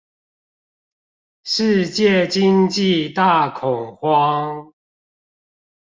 世界經濟大恐慌